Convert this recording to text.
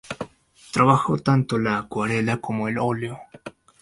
Trabajó tanto la acuarela como el óleo.